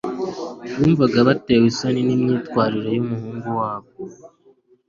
bumvaga batewe isoni n'imyitwarire y'umuhungu wabo